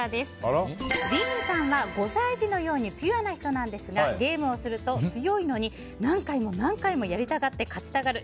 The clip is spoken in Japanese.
ディーンさんは５歳児のようにピュアな方なんですがゲームをすると強いのに、何回も何回もやりたがって勝ちたがる